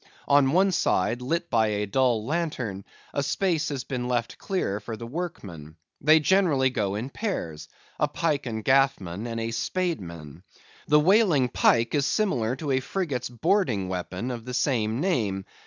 On one side, lit by a dull lantern, a space has been left clear for the workmen. They generally go in pairs,—a pike and gaffman and a spade man. The whaling pike is similar to a frigate's boarding weapon of the same name.